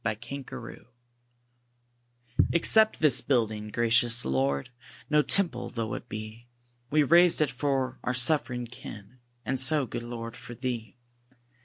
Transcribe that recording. HYMN Accept this building, gracious Lord, No temple though it be; We raised it for our suffering kin, And so, Good Lord, for Thee.